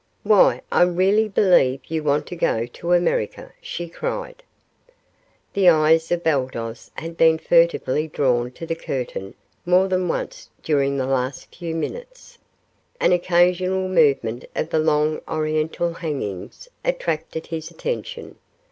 "Why, I really believe you want to go to America," she cried. The eyes of Baldos had been furtively drawn to the curtain more than once during the last few minutes. An occasional movement of the long oriental hangings attracted his attention.